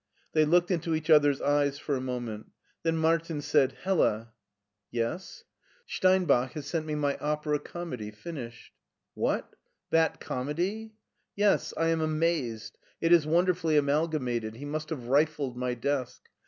They looked into each other's eyes for a moment. Then Martin said, " Hella !" "Yes." «f LEIPSIC 149 Steinbach has sent me my opera comedy finished." " What ? that comedy I " "Yes; I am amazed. It is wonderfully amalga mated ; he must have rifled my desk.